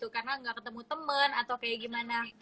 karena gak ketemu temen atau kayak gimana